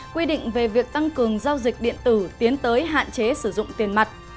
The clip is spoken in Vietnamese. quy định về việc tăng cường giao dịch điện tử tiến tới hạn chế sử dụng tiền mặt